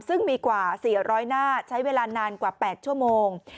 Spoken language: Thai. ซึ่งมีกว่า๔๐๐หน้าใช้เวลานานกว่า๘ชั่วโมง